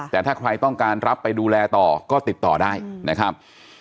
แต่ถ้าใครต้องการรับไปดูแลต่อก็ติดต่อได้นะครับ